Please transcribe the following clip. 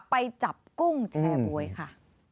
ไปจับกุ้งแชร์บ๊วยค่ะ